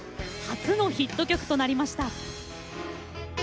初のヒット曲となりました。